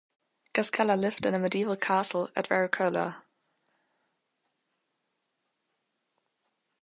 Cascella lived in a medieval castle at Verrucola.